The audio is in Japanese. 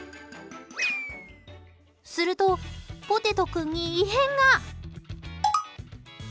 すると、ポテト君に異変が。